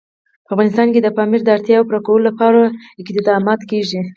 په افغانستان کې د پامیر د اړتیاوو پوره کولو لپاره اقدامات کېږي.